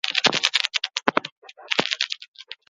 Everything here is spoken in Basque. Azken emaitza hiru proben arteko batez bestekoak emango du.